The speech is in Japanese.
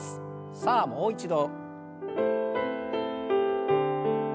さあもう一度。